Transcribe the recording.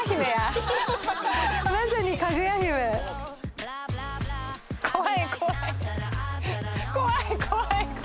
まさにかぐや姫怖い怖い今気づいた